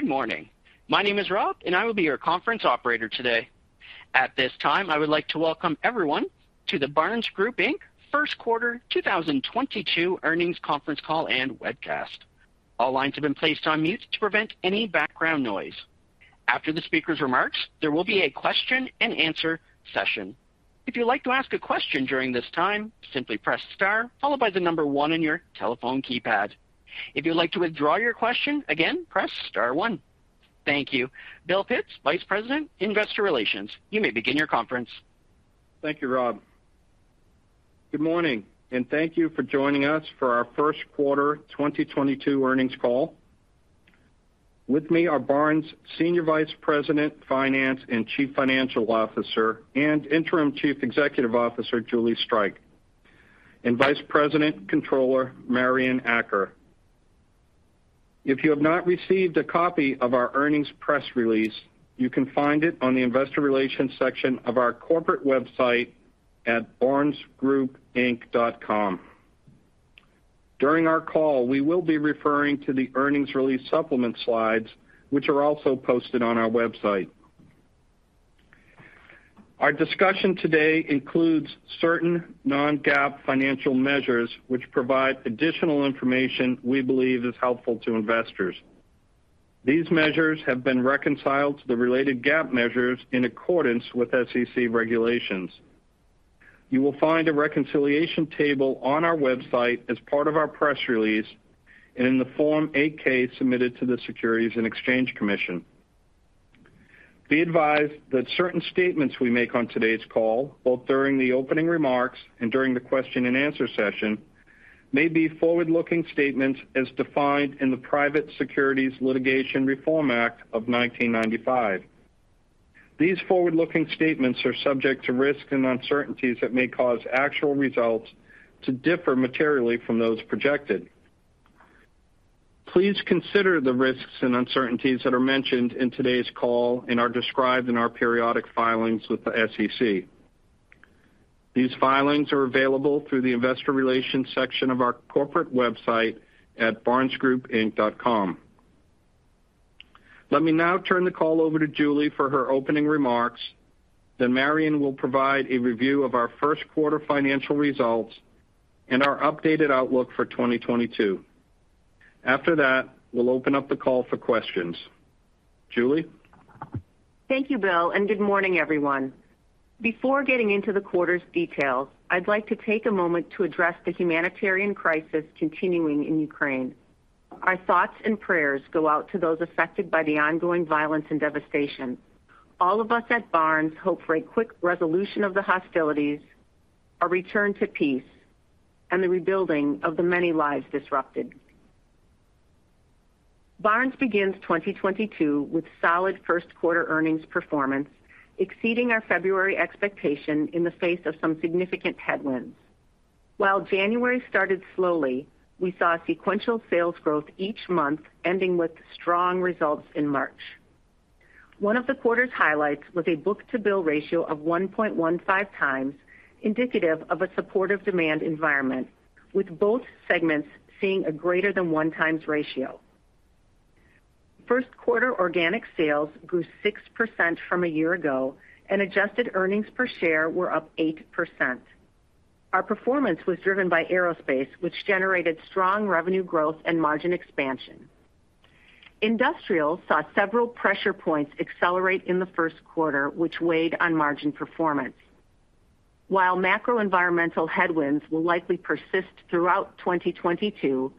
Good morning. My name is Rob, and I will be your conference operator today. At this time, I would like to welcome everyone to the Barnes Group Inc. First Quarter 2022 earnings conference call and webcast. All lines have been placed on mute to prevent any background noise. After the speaker's remarks, there will be a question-and-answer session. If you'd like to ask a question during this time, simply press star followed by the number one on your telephone keypad. If you'd like to withdraw your question again, press star one. Thank you. Bill Pitts, Vice President, Investor Relations, you may begin your conference. Thank you, Rob. Good morning, and thank you for joining us for our first quarter 2022 earnings call. With me are Barnes Senior Vice President, Finance and Chief Financial Officer and Interim Chief Executive Officer, Julie Streich, and Vice President, Controller, Marian Acker. If you have not received a copy of our earnings press release, you can find it on the investor relations section of our corporate website at barnesgroupinc.com. During our call, we will be referring to the earnings release supplement slides, which are also posted on our website. Our discussion today includes certain non-GAAP financial measures which provide additional information we believe is helpful to investors. These measures have been reconciled to the related GAAP measures in accordance with SEC regulations. You will find a reconciliation table on our website as part of our press release and in the Form 8-K submitted to the Securities and Exchange Commission. Be advised that certain statements we make on today's call, both during the opening remarks and during the question-and-answer session, may be forward-looking statements as defined in the Private Securities Litigation Reform Act of 1995. These forward-looking statements are subject to risks and uncertainties that may cause actual results to differ materially from those projected. Please consider the risks and uncertainties that are mentioned in today's call and are described in our periodic filings with the SEC. These filings are available through the investor relations section of our corporate website at barnesgroupinc.com. Let me now turn the call over to Julie for her opening remarks, then Marian will provide a review of our first quarter financial results and our updated outlook for 2022. After that, we'll open up the call for questions. Julie. Thank you, Bill, and good morning, everyone. Before getting into the quarter's details, I'd like to take a moment to address the humanitarian crisis continuing in Ukraine. Our thoughts and prayers go out to those affected by the ongoing violence and devastation. All of us at Barnes hope for a quick resolution of the hostilities, a return to peace, and the rebuilding of the many lives disrupted. Barnes begins 2022 with solid first quarter earnings performance, exceeding our February expectation in the face of some significant headwinds. While January started slowly, we saw sequential sales growth each month, ending with strong results in March. One of the quarter's highlights was a book-to-bill ratio of 1.15x, indicative of a supportive demand environment, with both segments seeing a greater than 1x ratio. First quarter organic sales grew 6% from a year ago, and adjusted earnings per share were up 8%. Our performance was driven by aerospace, which generated strong revenue growth and margin expansion. Industrial saw several pressure points accelerate in the first quarter, which weighed on margin performance. While macro environmental headwinds will likely persist throughout 2022,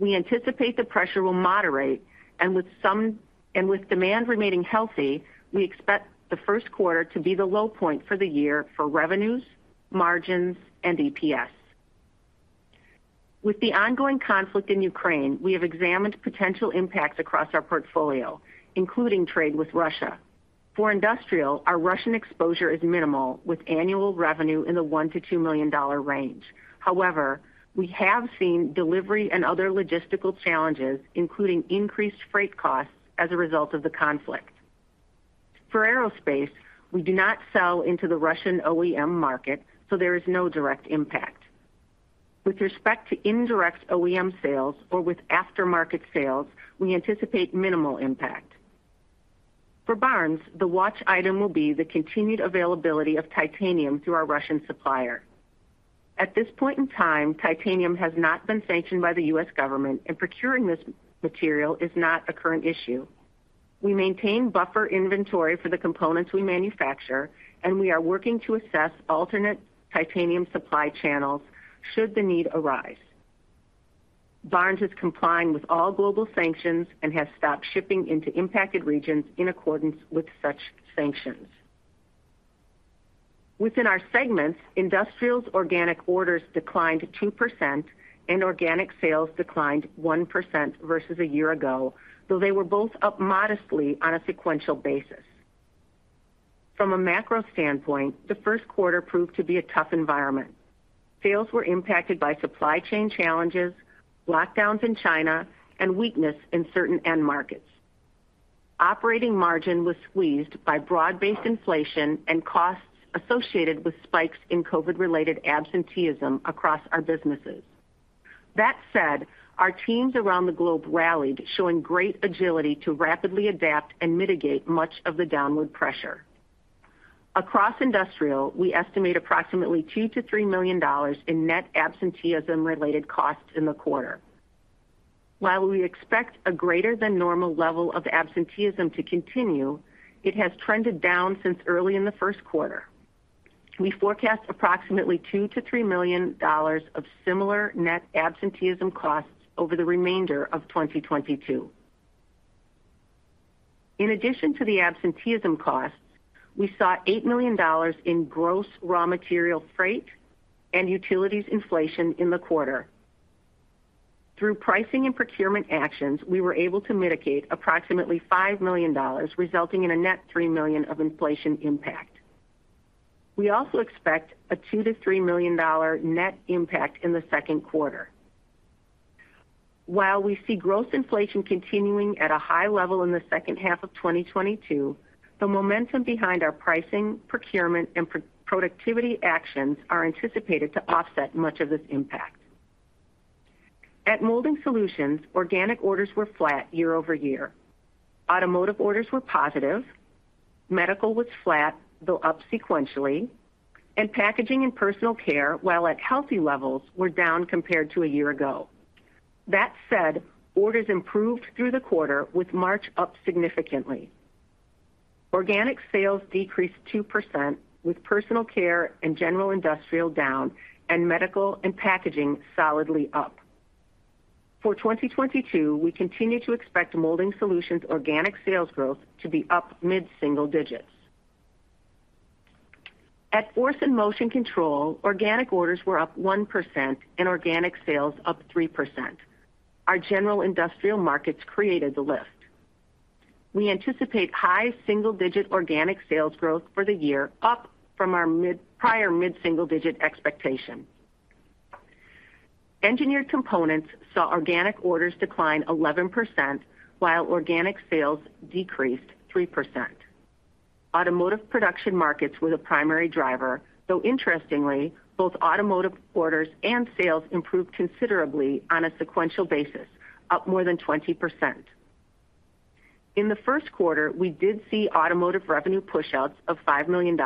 we anticipate the pressure will moderate and with demand remaining healthy, we expect the first quarter to be the low point for the year for revenues, margins, and EPS. With the ongoing conflict in Ukraine, we have examined potential impacts across our portfolio, including trade with Russia. For industrial, our Russian exposure is minimal, with annual revenue in the one-two million range. However, we have seen delivery and other logistical challenges, including increased freight costs, as a result of the conflict. For aerospace, we do not sell into the Russian OEM market, so there is no direct impact. With respect to indirect OEM sales or with aftermarket sales, we anticipate minimal impact. For Barnes, the watch item will be the continued availability of titanium through our Russian supplier. At this point in time, titanium has not been sanctioned by the U.S. government, and procuring this material is not a current issue. We maintain buffer inventory for the components we manufacture, and we are working to assess alternate titanium supply channels should the need arise. Barnes is complying with all global sanctions and has stopped shipping into impacted regions in accordance with such sanctions. Within our segments, Industrial's organic orders declined 2% and organic sales declined 1% versus a year ago, though they were both up modestly on a sequential basis. From a macro standpoint, the first quarter proved to be a tough environment. Sales were impacted by supply chain challenges, lockdowns in China, and weakness in certain end markets. Operating margin was squeezed by broad-based inflation and costs associated with spikes in COVID-related absenteeism across our businesses. That said, our teams around the globe rallied, showing great agility to rapidly adapt and mitigate much of the downward pressure. Across industrial, we estimate approximately $2 million-$3 million in net absenteeism-related costs in the quarter. While we expect a greater than normal level of absenteeism to continue, it has trended down since early in the first quarter. We forecast approximately $2 million-$3 million of similar net absenteeism costs over the remainder of 2022. In addition to the absenteeism costs, we saw $8 million in gross raw material freight and utilities inflation in the quarter. Through pricing and procurement actions, we were able to mitigate approximately $5 million, resulting in a net three million of inflation impact. We also expect a $2 million-$3 million net impact in the second quarter. While we see gross inflation continuing at a high level in the second half of 2022, the momentum behind our pricing, procurement and pro-productivity actions are anticipated to offset much of this impact. At Molding Solutions, organic orders were flat year-over-year. Automotive orders were positive. Medical was flat, though up sequentially, and packaging and personal care, while at healthy levels, were down compared to a year ago. That said, orders improved through the quarter, with March up significantly. Organic sales decreased 2%, with personal care and general industrial down, and medical and packaging solidly up. For 2022, we continue to expect Molding Solutions organic sales growth to be up mid-single digits. At Force and Motion Control, organic orders were up 1% and organic sales up 3%. Our general industrial markets created the lift. We anticipate high single-digit organic sales growth for the year, up from our prior mid-single digit expectation. Engineered Components saw organic orders decline 11%, while organic sales decreased 3%. Automotive production markets were the primary driver, though interestingly, both automotive orders and sales improved considerably on a sequential basis, up more than 20%. In the first quarter, we did see automotive revenue pushouts of $5 million,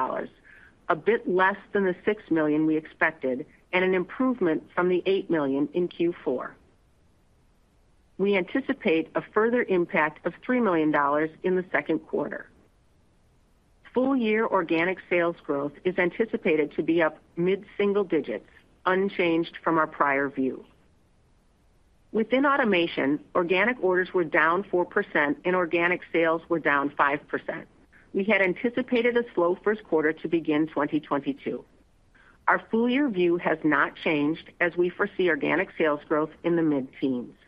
a bit less than the six million we expected, and an improvement from the eight million in Q4. We anticipate a further impact of $3 million in the second quarter. Full year organic sales growth is anticipated to be up mid-single digits, unchanged from our prior view. Within automation, organic orders were down 4% and organic sales were down 5%. We had anticipated a slow first quarter to begin 2022. Our full year view has not changed as we foresee organic sales growth in the mid-teens. For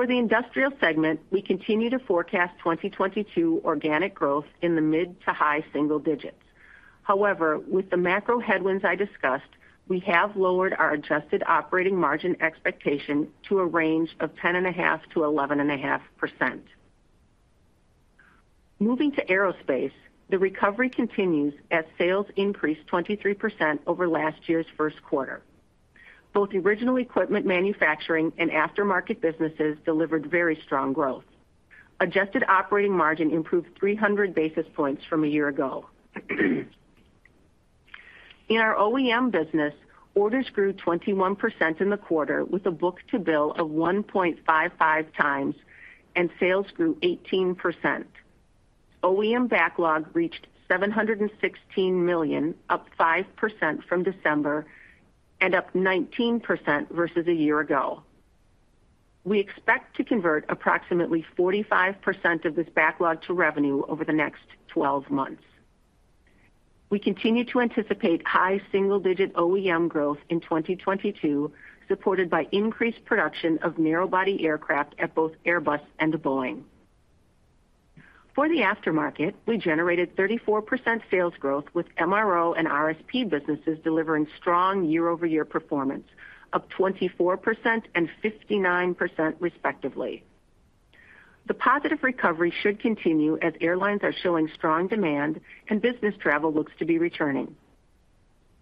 the industrial segment, we continue to forecast 2022 organic growth in the mid- to high-single digits. However, with the macro headwinds I discussed, we have lowered our adjusted operating margin expectation to a range of 10.5%-11.5%. Moving to aerospace, the recovery continues as sales increased 23% over last year's first quarter. Both original equipment manufacturing and aftermarket businesses delivered very strong growth. Adjusted operating margin improved 300 basis points from a year ago. In our OEM business, orders grew 21% in the quarter, with a book-to-bill of 1.55 times and sales grew 18%. OEM backlog reached 716 million, up 5% from December and up 19% versus a year ago. We expect to convert approximately 45% of this backlog to revenue over the next twelve months. We continue to anticipate high single digit OEM growth in 2022, supported by increased production of narrow body aircraft at both Airbus and Boeing. For the aftermarket, we generated 34% sales growth with MRO and RSP businesses delivering strong year-over-year performance of 24% and 59% respectively. The positive recovery should continue as airlines are showing strong demand and business travel looks to be returning.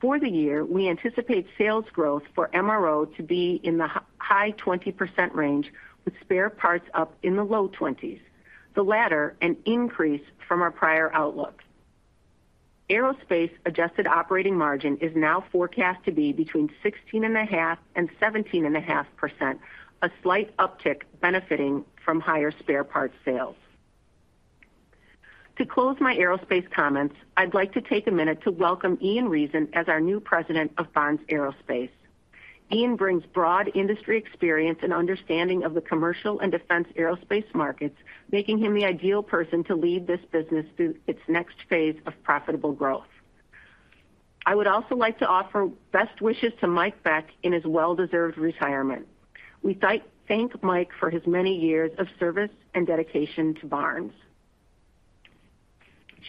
For the year, we anticipate sales growth for MRO to be in the high 20% range, with spare parts up in the low 20s, the latter an increase from our prior outlook. Aerospace adjusted operating margin is now forecast to be between 16.5% and 17.5%, a slight uptick benefiting from higher spare parts sales. To close my aerospace comments, I'd like to take a minute to welcome Ian Reason as our new President of Barnes Aerospace. Ian brings broad industry experience and understanding of the commercial and defense aerospace markets, making him the ideal person to lead this business through its next phase of profitable growth. I would also like to offer best wishes to Mike Beck in his well-deserved retirement. We thank Mike for his many years of service and dedication to Barnes.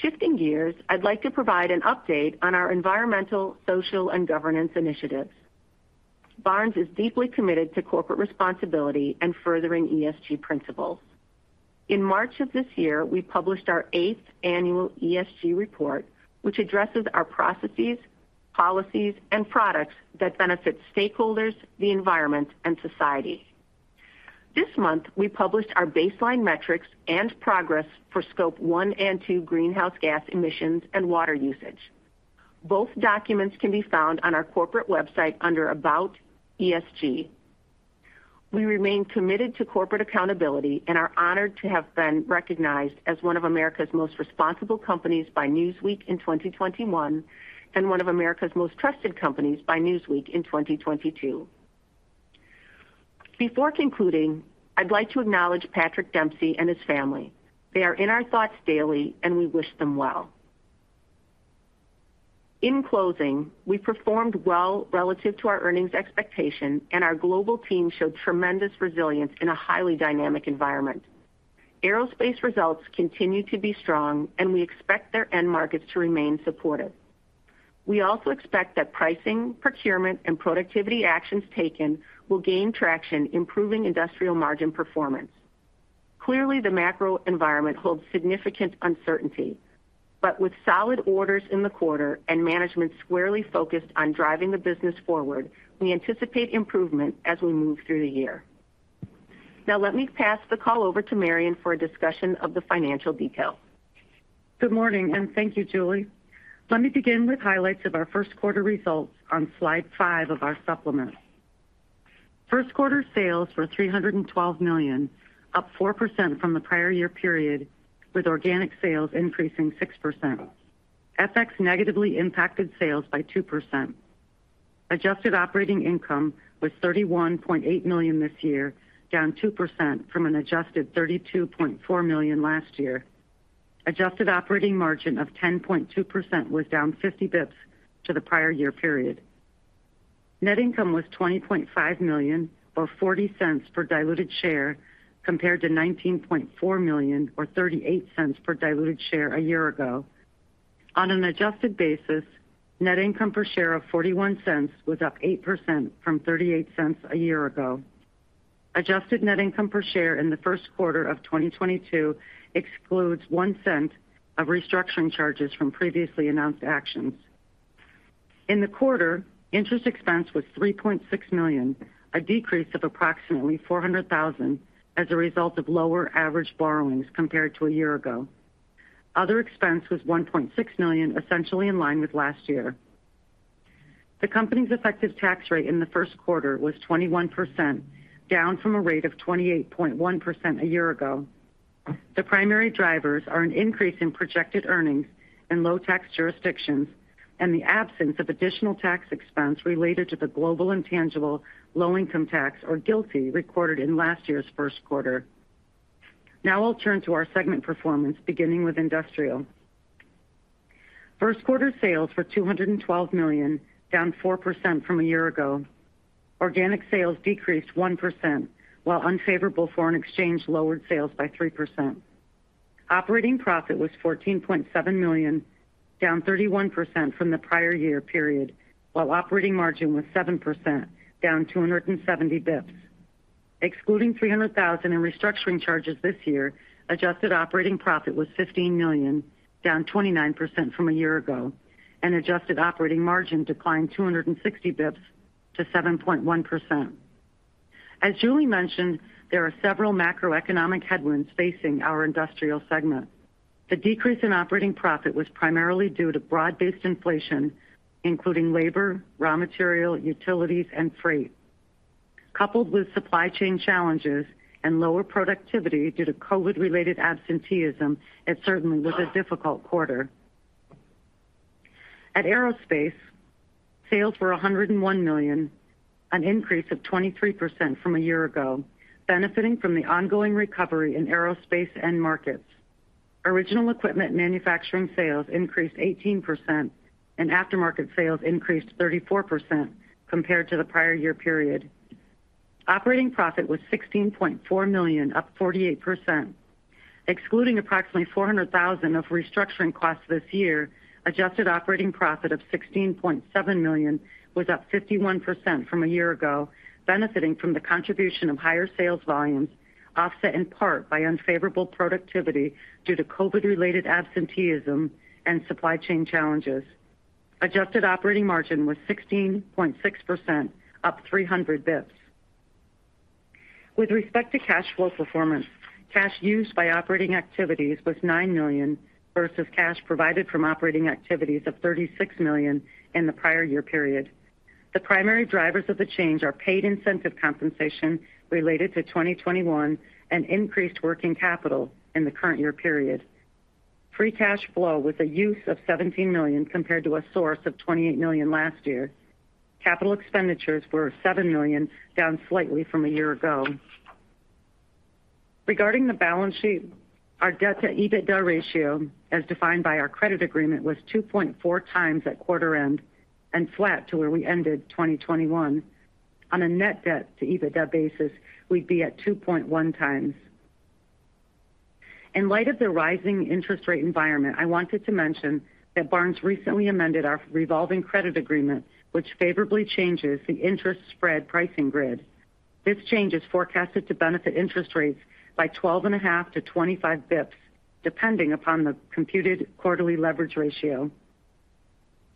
Shifting gears, I'd like to provide an update on our environmental, social, and governance initiatives. Barnes is deeply committed to corporate responsibility and furthering ESG principles. In March of this year, we published our eighth annual ESG report, which addresses our processes, policies, and products that benefit stakeholders, the environment, and society. This month, we published our baseline metrics and progress for Scope 1 and 2 greenhouse gas emissions and water usage. Both documents can be found on our corporate website under About ESG. We remain committed to corporate accountability and are honored to have been recognized as one of America's most responsible companies by Newsweek in 2021 and one of America's most trusted companies by Newsweek in 2022. Before concluding, I'd like to acknowledge Patrick Dempsey and his family. They are in our thoughts daily, and we wish them well. In closing, we performed well relative to our earnings expectation, and our global team showed tremendous resilience in a highly dynamic environment. Aerospace results continue to be strong, and we expect their end markets to remain supportive. We also expect that pricing, procurement, and productivity actions taken will gain traction, improving industrial margin performance. Clearly, the macro environment holds significant uncertainty, but with solid orders in the quarter and management squarely focused on driving the business forward, we anticipate improvement as we move through the year. Now let me pass the call over to Marian for a discussion of the financial details. Good morning, and thank you, Julie. Let me begin with highlights of our first quarter results on slide 5 of our supplement. First quarter sales were 312 million, up 4% from the prior year period, with organic sales increasing 6%. FX negatively impacted sales by 2%. Adjusted operating income was 31.8 million this year, down 2% from an adjusted 32.4 million last year. Adjusted operating margin of 10.2% was down 50 BPS to the prior year period. Net income was 20.5 million, or 0.40 per diluted share, compared to 19.4 million or 0.38 per diluted share a year ago. On an adjusted basis, net income per share of 0.41 was up 8% from 0.38 a year ago. Adjusted net income per share in the first quarter of 2022 excludes 0.01 of restructuring charges from previously announced actions. In the quarter, interest expense was 3.6 million, a decrease of approximately 400,000 as a result of lower average borrowings compared to a year ago. Other expense was 1.6 million, essentially in line with last year. The company's effective tax rate in the first quarter was 21%, down from a rate of 28.1% a year ago. The primary drivers are an increase in projected earnings in low tax jurisdictions and the absence of additional tax expense related to the global intangible low-income tax, or GILTI, recorded in last year's first quarter. Now I'll turn to our segment performance, beginning with industrial. First quarter sales were 212 million, down 4% from a year ago. Organic sales decreased 1%, while unfavorable foreign exchange lowered sales by 3%. Operating profit was 14.7 million, down 31% from the prior year period, while operating margin was 7%, down 270 BPS. Excluding $300,000 in restructuring charges this year, adjusted operating profit was 15 million, down 29% from a year ago, and adjusted operating margin declined 260 BPS-7.1%. As Julie mentioned, there are several macroeconomic headwinds facing our industrial segment. The decrease in operating profit was primarily due to broad-based inflation, including labor, raw material, utilities, and freight. Coupled with supply chain challenges and lower productivity due to COVID-related absenteeism, it certainly was a difficult quarter. At Aerospace, sales were 101 million, an increase of 23% from a year ago, benefiting from the ongoing recovery in aerospace end markets. Original equipment manufacturing sales increased 18%, and aftermarket sales increased 34% compared to the prior year period. Operating profit was 16.4 million, up 48%. Excluding approximately 400,000 of restructuring costs this year, adjusted operating profit of 16.7 million was up 51% from a year ago, benefiting from the contribution of higher sales volumes, offset in part by unfavorable productivity due to COVID-related absenteeism and supply chain challenges. Adjusted operating margin was 16.6%, up 300 BPS. With respect to cash flow performance, cash used by operating activities was nine million versus cash provided from operating activities of 36 million in the prior year period. The primary drivers of the change are paid incentive compensation related to 2021 and increased working capital in the current year period. Free cash flow was a use of 17 million compared to a source of 28 million last year. Capital expenditures were seven million, down slightly from a year ago. Regarding the balance sheet, our debt to EBITDA ratio, as defined by our credit agreement, was 2.4 times at quarter end and flat to where we ended 2021. On a net debt to EBITDA basis, we'd be at 2.1 times. In light of the rising interest rate environment, I wanted to mention that Barnes recently amended our revolving credit agreement, which favorably changes the interest spread pricing grid. This change is forecasted to benefit interest rates by 12.5-25 basis points, depending upon the computed quarterly leverage ratio.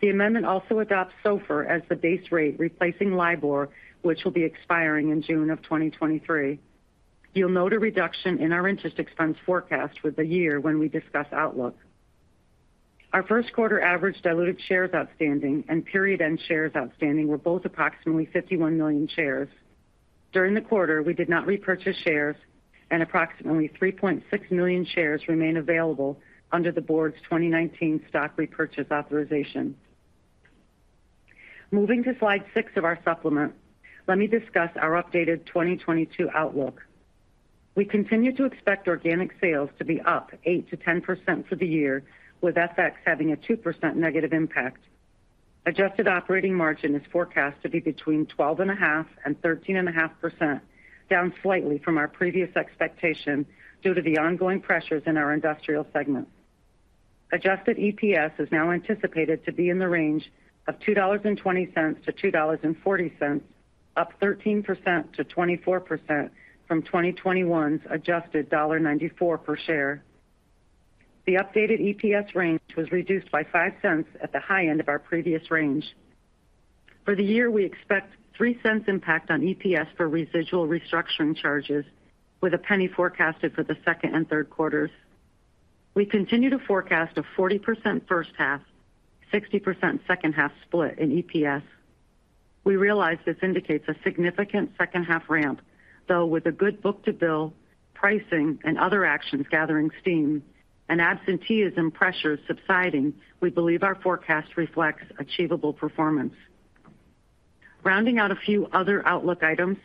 The amendment also adopts SOFR as the base rate, replacing LIBOR, which will be expiring in June of 2023. You'll note a reduction in our interest expense forecast within the year when we discuss outlook. Our first quarter average diluted shares outstanding and period-end shares outstanding were both approximately 51 million shares. During the quarter, we did not repurchase shares, and approximately 3.6 million shares remain available under the Board's 2019 stock repurchase authorization. Moving to slide 6 of our supplement, let me discuss our updated 2022 outlook. We continue to expect organic sales to be up 8%-10% for the year, with FX having a 2% negative impact. Adusted operating margin is forecast to be between 12.5% and 13.5%, down slightly from our previous expectation due to the ongoing pressures in our industrial segment. Adjusted EPS is now anticipated to be in the range of 2.20-2.40, up 13%-24% from 2021's adjusted 1.94 per share. The updated EPS range was reduced by $0.05 at the high end of our previous range. For the year, we expect 0.03 impact on EPS for residual restructuring charges, with 0.01 forecasted for the second and third quarters. We continue to forecast a 40% first half, 60% second half split in EPS. We realize this indicates a significant second half ramp, though with a good book-to-bill, pricing, and other actions gathering steam, and absenteeism pressures subsiding, we believe our forecast reflects achievable performance. Rounding out a few other outlook items.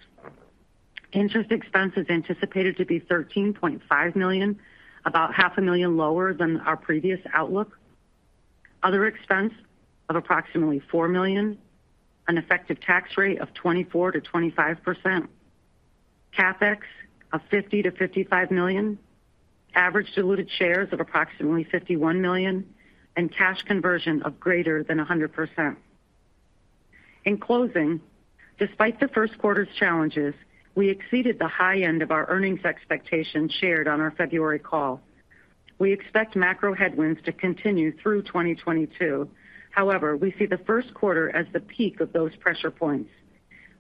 Interest expense is anticipated to be 13.5 million, about half a million lower than our previous outlook. Other expense of approximately four million. An effective tax rate of 24%-25%. CapEx of 50 million-55 million. Average diluted shares of approximately 51 million, and cash conversion of greater than 100%. In closing, despite the first quarter's challenges, we exceeded the high end of our earnings expectations shared on our February call. We expect macro headwinds to continue through 2022. However, we see the first quarter as the peak of those pressure points.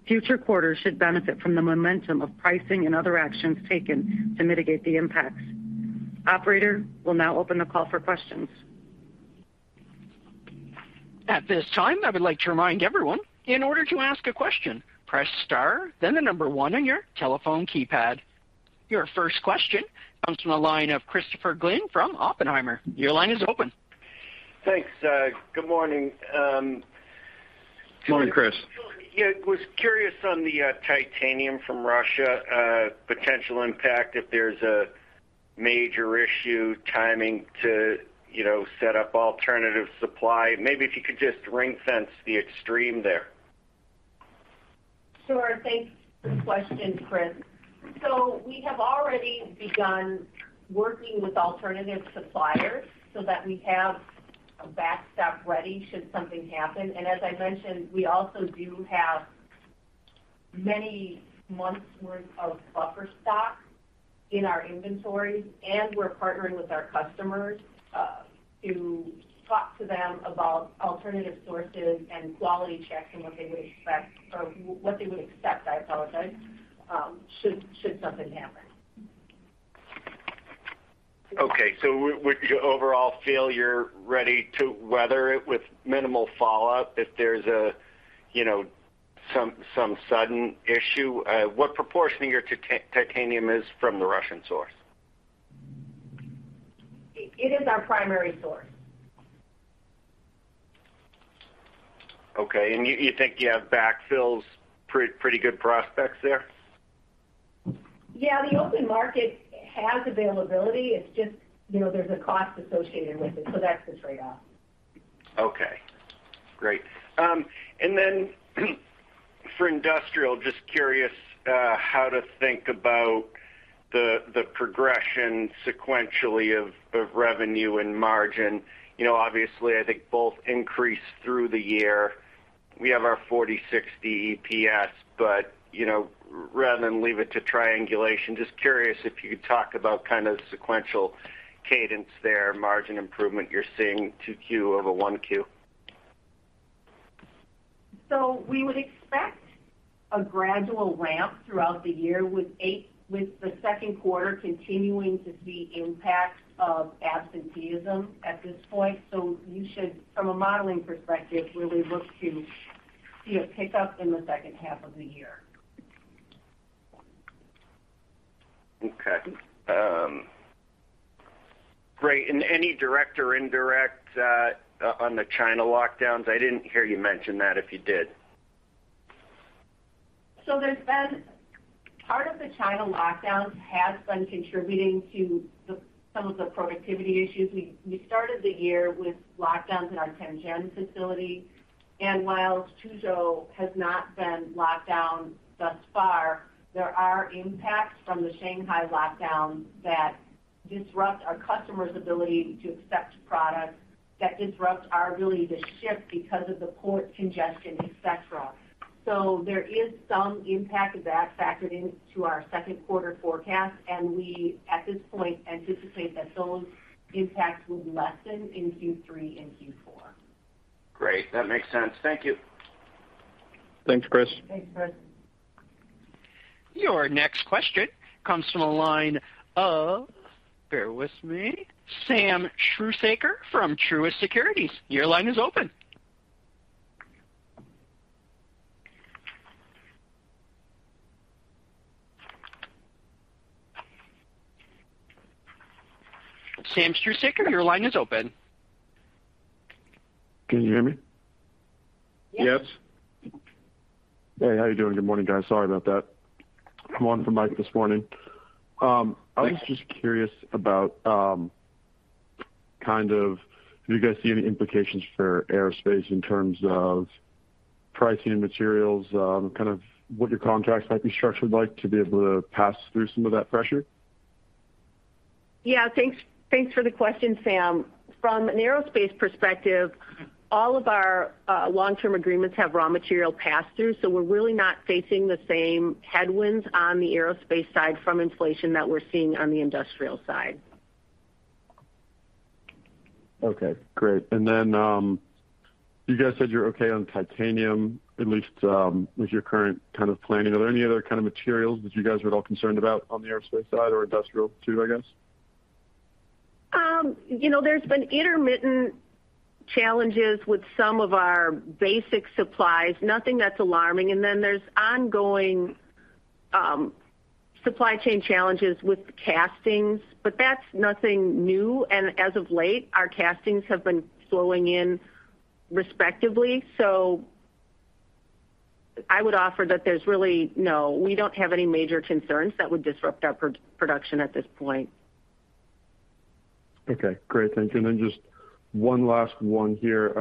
Future quarters should benefit from the momentum of pricing and other actions taken to mitigate the impacts. Operator, we'll now open the call for questions. At this time, I would like to remind everyone, in order to ask a question, press star then the number one on your telephone keypad. Your first question comes from the line of Christopher Glynn from Oppenheimer. Your line is open. Thanks. Good morning. Morning, Chris. Yeah, was curious on the, titanium from Russia, potential impact if there's a major issue timing to, you know, set up alternative supply. Maybe if you could just ring-fence the extreme there. Sure. Thanks for the question, Chris. We have already begun working with alternative suppliers so that we have a backstop ready should something happen. As I mentioned, we also do have many months worth of buffer stock in our inventory, and we're partnering with our customers to talk to them about alternative sources and quality checks and what they would expect, or what they would accept, I apologize, should something happen. Would you overall feel you're ready to weather it with minimal fallout if there's a, you know, some sudden issue? What proportion of your titanium is from the Russian source? It is our primary source. Okay. You think you have backfills, pretty good prospects there? Yeah, the open market has availability. It's just, you know, there's a cost associated with it, so that's the trade-off. Okay. Great. Then for industrial, just curious, how to think about the progression sequentially of revenue and margin. You know, obviously, I think both increase through the year. We have our 40-60 EPS, but, you know, rather than leave it to triangulation, just curious if you could talk about kind of sequential cadence there, margin improvement you're seeing 2Q over 1Q. We would expect a gradual ramp throughout the year with the second quarter continuing to see impacts of absenteeism at this point. You should, from a modeling perspective, really look to see a pickup in the second half of the year. Okay. Great. Any direct or indirect on the China lockdowns? I didn't hear you mention that if you did. There's been Part of the China lockdown has been contributing to the, some of the productivity issues. We started the year with lockdowns in our Shenzhen facility. While Suzhou has not been locked down thus far, there are impacts from the Shanghai lockdown that disrupt our customers' ability to accept products, that disrupt our ability to ship because of the port congestion, et cetera. There is some impact of that factored into our second quarter forecast. We, at this point, anticipate that those impacts will lessen in Q3 and Q4. Great. That makes sense. Thank you. Thanks, Chris. Thanks, Chris. Your next question comes from the line of, bear with me, Samuel Struhsaker from Truist Securities. Your line is open. Samuel Struhsaker, your line is open. Can you hear me? Yes. Hey, how you doing? Good morning, guys. Sorry about that. I'm on for Mike this morning. I was just curious about, kind of do you guys see any implications for aerospace in terms of pricing and materials, kind of what your contracts might be structured like to be able to pass through some of that pressure? Yeah. Thanks, thanks for the question, Sam. From an aerospace perspective, all of our long-term agreements have raw material pass through, so we're really not facing the same headwinds on the aerospace side from inflation that we're seeing on the industrial side. Okay, great. You guys said you're okay on titanium, at least, with your current kind of planning. Are there any other kind of materials that you guys are at all concerned about on the aerospace side or industrial too, I guess? You know, there's been intermittent challenges with some of our basic supplies. Nothing that's alarming. There's ongoing supply chain challenges with castings, but that's nothing new. As of late, our castings have been flowing in effectively. I would offer that we don't have any major concerns that would disrupt our production at this point. Okay, great. Thank you. Just one last one here.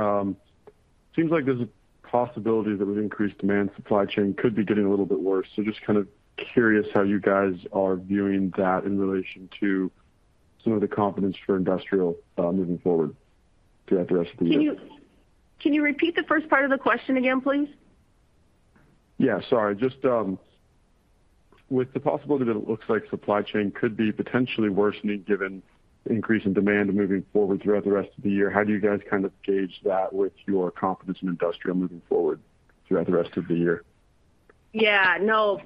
Seems like there's a possibility that with increased demand, supply chain could be getting a little bit worse. Just kind of curious how you guys are viewing that in relation to some of the confidence for industrial moving forward throughout the rest of the year. Can you repeat the first part of the question again, please? Yeah, sorry. Just, with the possibility that it looks like supply chain could be potentially worsening given increase in demand moving forward throughout the rest of the year, how do you guys kind of gauge that with your confidence in industrial moving forward throughout the rest of the year? Yeah. No.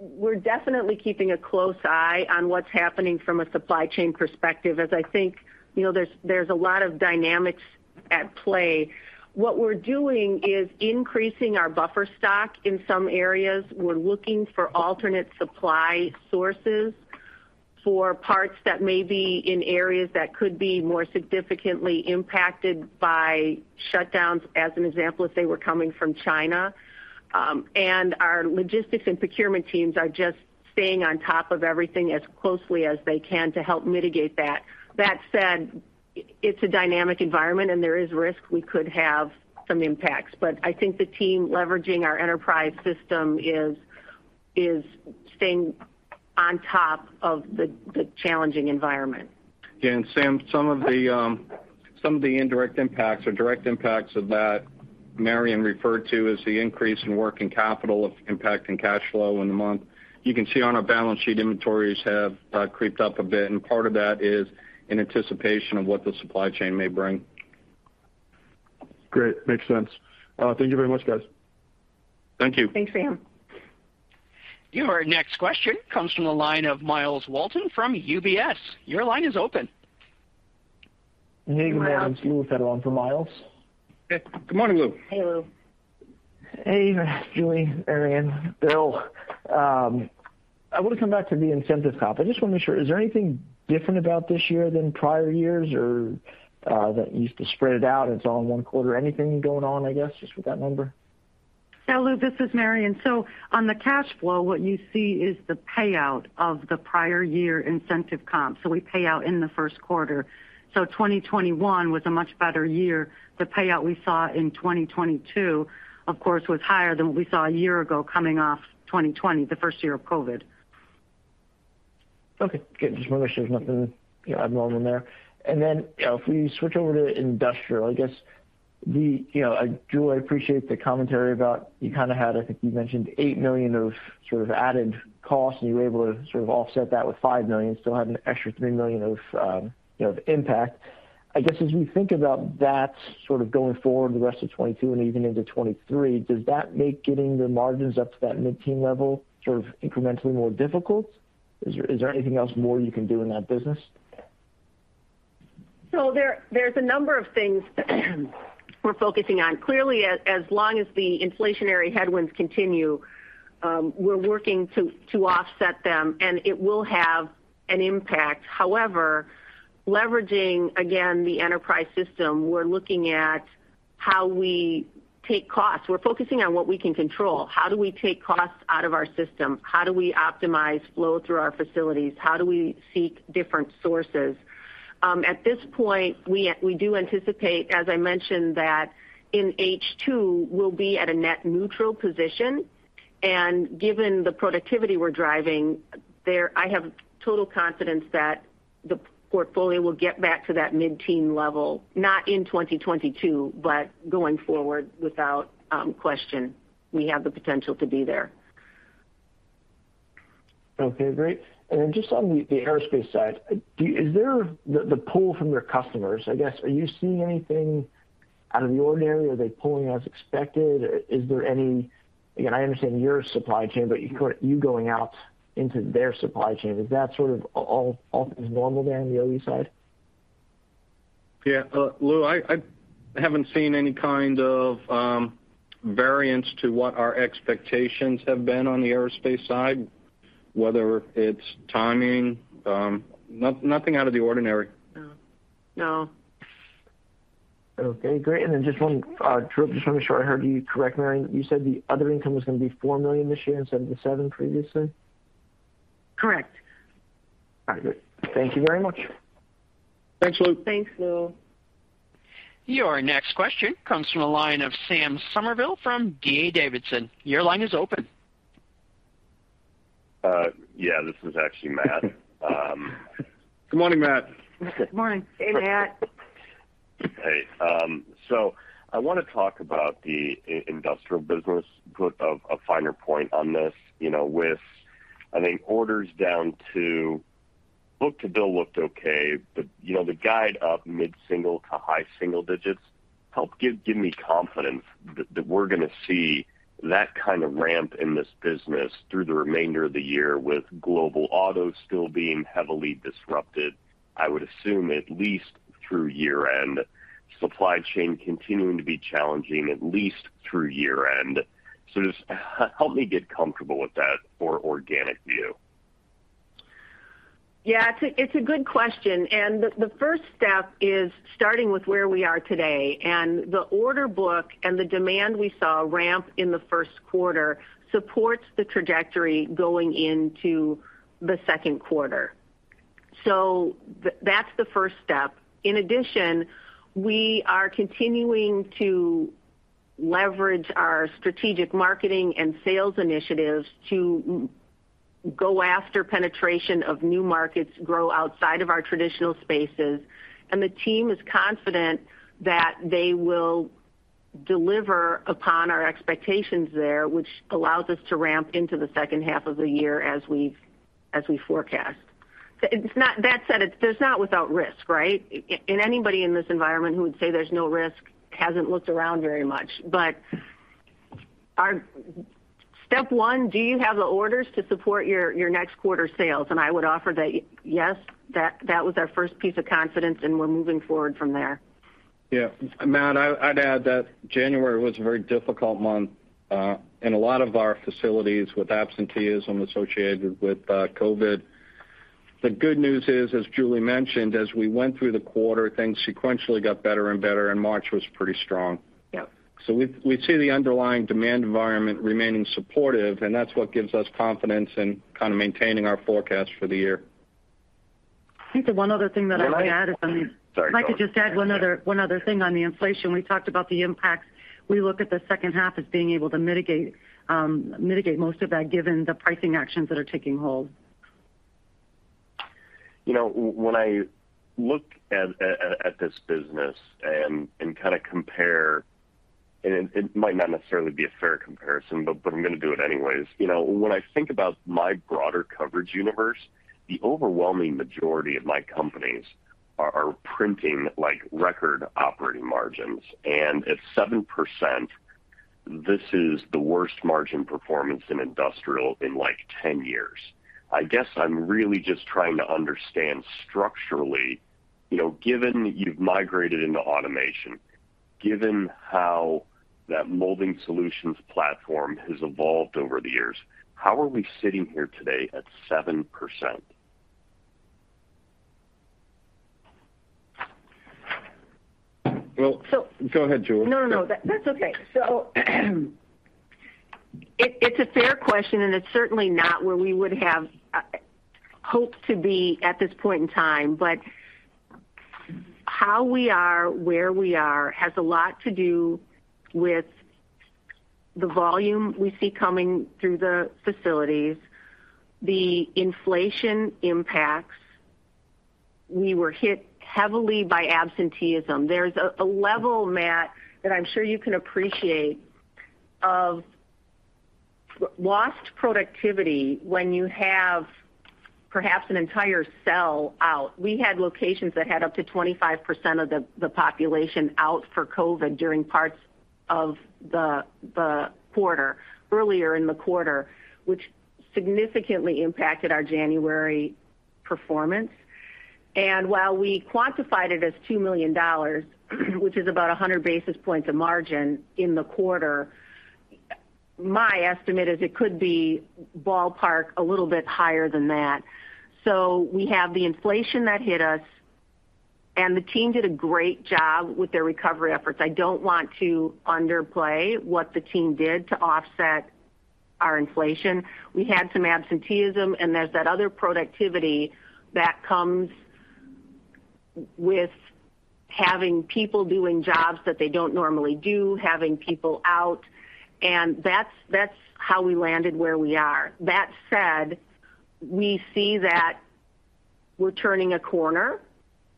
We're definitely keeping a close eye on what's happening from a supply chain perspective, as I think, you know, there's a lot of dynamics at play. What we're doing is increasing our buffer stock in some areas. We're looking for alternate supply sources for parts that may be in areas that could be more significantly impacted by shutdowns, as an example, if they were coming from China. And our logistics and procurement teams are just staying on top of everything as closely as they can to help mitigate that. That said, it's a dynamic environment, and there is risk we could have some impacts. I think the team leveraging our enterprise system is staying on top of the challenging environment. Again, Sam, some of the indirect impacts or direct impacts of that Marian referred to is the increase in working capital of impacting cash flow in the month. You can see on our balance sheet, inventories have crept up a bit, and part of that is in anticipation of what the supply chain may bring. Great. Makes sense. Thank you very much, guys. Thank you. Thanks, Sam. Your next question comes from the line of Myles Walton from UBS. Your line is open. Hey, good morning. Louis Raffetto for Myles. Good morning, Lou. Hey, Lou. Hey, Julie, Marian, Bill. I want to come back to the incentive comp. I just want to make sure, is there anything different about this year than prior years or, that used to spread it out, it's all in one quarter? Anything going on, I guess, just with that number? Lou, this is Marian. On the cash flow, what you see is the payout of the prior year incentive comp. We pay out in the first quarter. 2021 was a much better year. The payout we saw in 2022, of course, was higher than what we saw a year ago coming off 2020, the first year of COVID. Okay. Just want to make sure there's nothing, you know, abnormal in there. You know, if we switch over to industrial, I guess you know, Julie, I appreciate the commentary about you kind of had, I think you mentioned eight million of sort of added costs, and you were able to sort of offset that with five million, still had an extra three million of, you know, impact. I guess as we think about that sort of going forward the rest of 2022 and even into 2023, does that make getting the margins up to that mid-teen level sort of incrementally more difficult? Is there anything else more you can do in that business? There's a number of things we're focusing on. Clearly, as long as the inflationary headwinds continue, we're working to offset them, and it will have an impact. However, leveraging, again, the enterprise system, we're looking at how we take costs. We're focusing on what we can control. How do we take costs out of our system? How do we optimize flow through our facilities? How do we seek different sources? At this point, we do anticipate, as I mentioned, that in H2, we'll be at a net neutral position, and given the productivity we're driving there, I have total confidence that the portfolio will get back to that mid-teen level, not in 2022, but going forward, without question. We have the potential to be there. Okay, great. Just on the aerospace side, is there the pull from your customers, I guess? Are you seeing anything out of the ordinary? Are they pulling as expected? Is there any? Again, I understand your supply chain, but you going out into their supply chain, is that sort of all is normal there on the OE side? Yeah, Lou, I haven't seen any kind of variance to what our expectations have been on the aerospace side, whether it's timing, nothing out of the ordinary. No. No. Okay, great. Just want to make sure I heard you correct, Mary. You said the other income was gonna be four million this year instead of the seven million previously? Correct. All right. Great. Thank you very much. Thanks, Lou. Thanks, Lou. Your next question comes from the line of Matt Summerville from D.A. Davidson. Your line is open. Yeah, this is actually Matt. Good morning, Matt. Good morning. Hey, Matt. I want to talk about the Industrial business, put a finer point on this, you know, with, I think, orders down, book-to-bill looked okay. You know, the guide up mid-single-digit to high-single-digit help give me confidence that we're going to see that kind of ramp in this business through the remainder of the year with global auto still being heavily disrupted, I would assume at least through year-end. Supply chain continuing to be challenging at least through year-end. Just help me get comfortable with that for organic view. Yeah, it's a good question. The first step is starting with where we are today. The order book and the demand we saw ramp in the first quarter supports the trajectory going into the second quarter. That's the first step. In addition, we are continuing to leverage our strategic marketing and sales initiatives to go after penetration of new markets, grow outside of our traditional spaces. The team is confident that they will deliver upon our expectations there, which allows us to ramp into the second half of the year as we forecast. That said, it's not without risk, right? Anybody in this environment who would say there's no risk hasn't looked around very much. Our step one, do you have the orders to support your next quarter sales? I would offer that yes, that was our first piece of confidence, and we're moving forward from there. Yeah. Matt, I'd add that January was a very difficult month, and a lot of our facilities with absenteeism associated with COVID. The good news is, as Julie mentioned, as we went through the quarter, things sequentially got better and better, and March was pretty strong. Yeah. We see the underlying demand environment remaining supportive, and that's what gives us confidence in kind of maintaining our forecast for the year. I think the one other thing that I would add is on the. Sorry, go ahead. If I could just add one other thing on the inflation. We talked about the impacts. We look at the second half as being able to mitigate most of that given the pricing actions that are taking hold. You know, when I look at this business and kind of compare, it might not necessarily be a fair comparison, but I'm going to do it anyways. You know, when I think about my broader coverage universe, the overwhelming majority of my companies are printing like record operating margins. At 7%, this is the worst margin performance in industrial in like 10 years. I guess I'm really just trying to understand structurally, you know, given you've migrated into automation, given how that Molding Solutions platform has evolved over the years, how are we sitting here today at 7%? Well- So- Go ahead, Julie. No, no. That's okay. It's a fair question, and it's certainly not where we would have hoped to be at this point in time. How we are where we are has a lot to do with the volume we see coming through the facilities, the inflation impacts. We were hit heavily by absenteeism. There's a level, Matt, that I'm sure you can appreciate of lost productivity when you have perhaps an entire cell out. We had locations that had up to 25% of the population out for COVID during parts of the quarter, earlier in the quarter, which significantly impacted our January performance. While we quantified it as $2 million, which is about 100 basis points of margin in the quarter. My estimate is it could be ballpark a little bit higher than that. We have the inflation that hit us, and the team did a great job with their recovery efforts. I don't want to underplay what the team did to offset our inflation. We had some absenteeism, and there's that other productivity that comes with having people doing jobs that they don't normally do, having people out, and that's how we landed where we are. That said, we see that we're turning a corner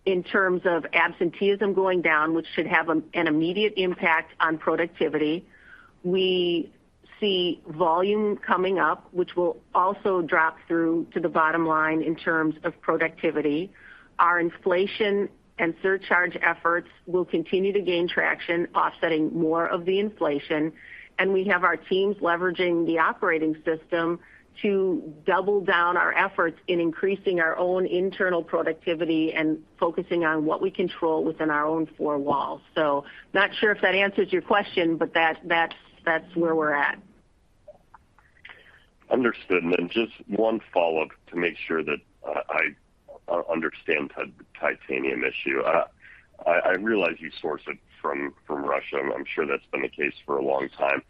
in terms of absenteeism going down, which should have an immediate impact on productivity. We see volume coming up, which will also drop through to the bottom line in terms of productivity. Our inflation and surcharge efforts will continue to gain traction, offsetting more of the inflation. We have our teams leveraging the operating system to double down our efforts in increasing our own internal productivity and focusing on what we control within our own four walls. Not sure if that answers your question, but that's where we're at. Understood. Then just one follow-up to make sure that I understand the titanium issue. I realize you source it from Russia, and I'm sure that's been the case for a long time.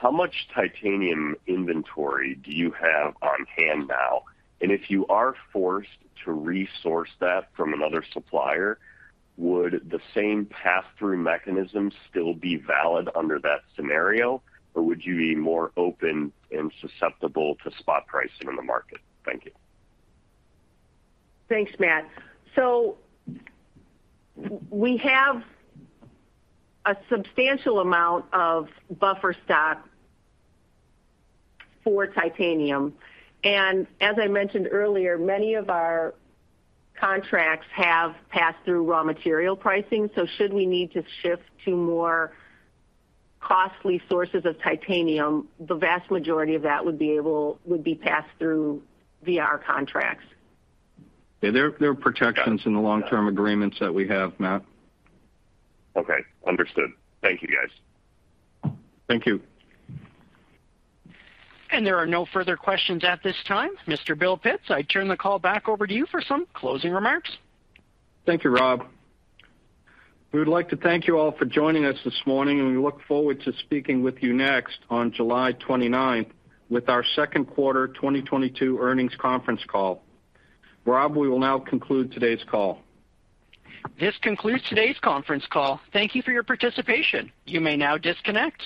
How much titanium inventory do you have on hand now? And if you are forced to resource that from another supplier, would the same pass-through mechanism still be valid under that scenario, or would you be more open and susceptible to spot pricing in the market? Thank you. Thanks, Matt. We have a substantial amount of buffer stock for titanium. As I mentioned earlier, many of our contracts have pass-through raw material pricing. Should we need to shift to more costly sources of titanium, the vast majority of that would be passed through via our contracts. Yeah, there are protections in the long-term agreements that we have, Matt. Okay, understood. Thank you, guys. Thank you. There are no further questions at this time. Mr. Bill Pitts, I turn the call back over to you for some closing remarks. Thank you, Rob. We would like to thank you all for joining us this morning, and we look forward to speaking with you next on July 29 with our second quarter 2022 earnings conference call. Rob, we will now conclude today's call. This concludes today's conference call. Thank you for your participation. You may now disconnect.